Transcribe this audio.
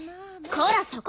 こらそこ！